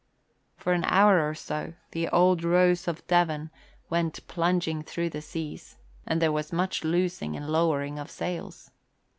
For an hour or two the old Rose of Devon went plunging through the seas; and there was much loosing and lowering of sails.